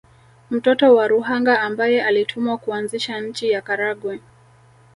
Mtoto wa Ruhanga ambaye alitumwa kuanzisha nchi ya Karagwe